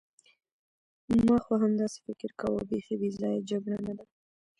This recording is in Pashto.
ما خو همداسې فکر کاوه، بیخي بې ځایه جګړه نه ده.